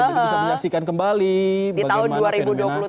jadi bisa menyaksikan kembali bagaimana fenomena